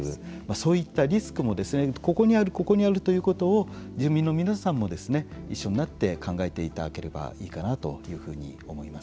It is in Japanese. そういったリスクもここにあるここにあるということを住民の皆さんも一緒になって考えていただければいいかなというふうに思います。